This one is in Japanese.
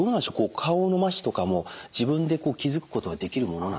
顔のまひとかも自分で気付くことができるものなんですか？